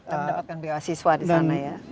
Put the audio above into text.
untuk mendapatkan beasiswa di sana ya